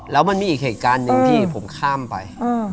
แล้วมันมีอีกเหตุการณ์หนึ่งที่ผมข้ามไป